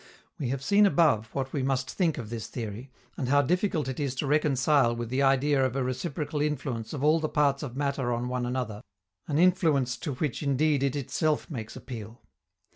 We have seen above what we must think of this theory, and how difficult it is to reconcile with the idea of a reciprocal influence of all the parts of matter on one another, an influence to which indeed it itself makes appeal.